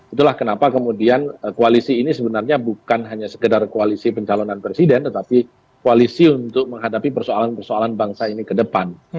itulah kenapa kemudian koalisi ini sebenarnya bukan hanya sekedar koalisi pencalonan presiden tetapi koalisi untuk menghadapi persoalan persoalan bangsa ini ke depan